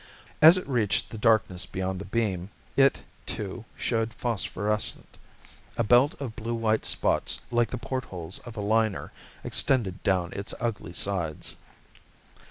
As it reached the darkness beyond the beam it, too, showed phosphorescent. A belt of blue white spots like the portholes of a liner extended down its ugly sides.